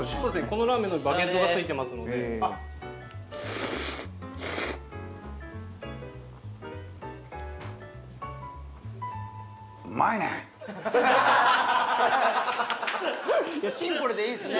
このラーメンはバゲットがついてますのでシンプルでいいっすね